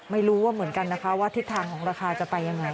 ไม่รู้ว่าเหมือนกันนะคะว่าทิศทางของราคาจะไปยังไง